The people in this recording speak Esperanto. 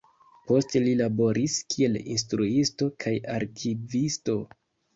Poste li laboris kiel instruisto kaj arkivisto.